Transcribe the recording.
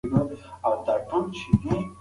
شاید اړتیا نه وي چې څوک مې له غرقېدو وژغوري.